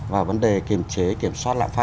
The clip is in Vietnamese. và vấn đề kiểm chế kiểm soát lạm phát